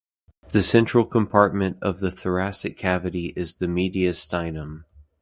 The central compartment of the thoracic cavity is the mediastinum.